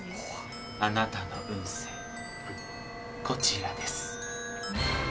こちらです。